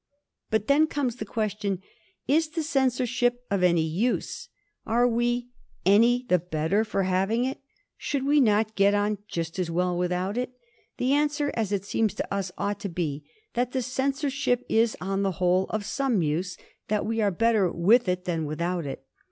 But then comes the question, Is the cen sorship of any use? Are we any the better for having it ? Should we not get on just as well without it ? The answer, as it seems to us, ought to be that the censorship is on the whole of some use; that we are better with it than without it.